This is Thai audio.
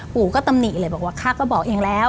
ปู่ก็ตำหนิเลยบอกว่าข้าก็บอกเองแล้ว